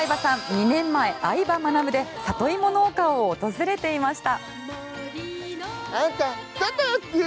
２年前「相葉マナブ」でサトイモ農家を訪れていました。